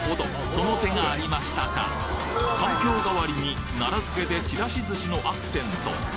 その手がありましたかかんぴょう代わりに奈良漬でちらし寿司のアクセント